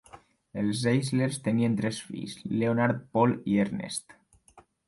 Els Zeislers tenien tres fills: Leonard, Paul i Ernest.